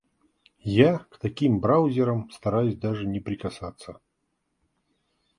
Я к таким браузерам стараюсь даже не прикасаться.